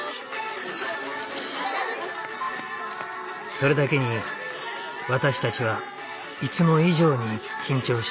それだけに私たちはいつも以上に緊張していました。